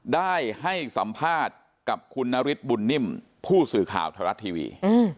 ได้ให้สัมภาษณ์กับคุณนฤทธิบุญนิ่มผู้สื่อข่าวไทยรัฐทีวี